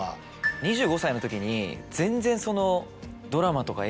２５歳のときに全然。